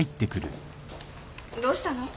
どうしたの？